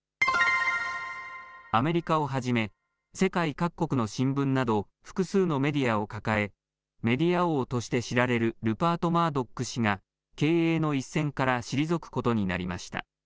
アメリカをはじめ世界各国の新聞など複数のメディアを抱えメディア王として知られるルパート・マードック氏が経営の一線から退くことになりました。